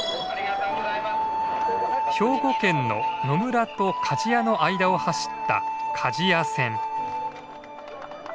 兵庫県の野村と鍛冶屋の間を走った鍛冶屋線。